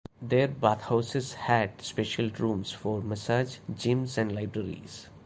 Their bathhouses had special rooms for massage, gyms, and libraries.